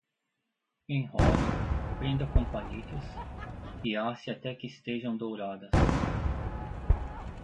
Enrole, prenda com palitos, e asse até que estejam douradas.